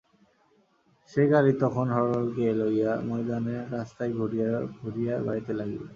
সে গাড়ি তখন হরলালকে লইলা ময়দানের রাস্তায় ঘুরিয়া ঘুরিয়া বেড়াইতে লাগিল ।